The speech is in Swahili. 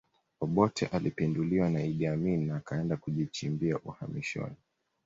Obote alipinduliwa na Idi Amin na akaenda kujichimbia uhamishoni